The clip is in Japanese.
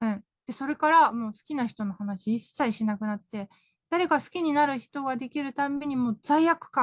それから好きな人の話、一切しなくなって、誰か好きになる人ができるたんびに、もう罪悪感。